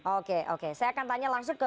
oke oke saya akan tanya langsung ke